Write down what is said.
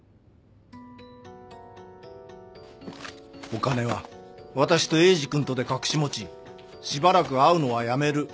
お金は私とエイジ君とで隠し持ちしばらく会うのはやめる。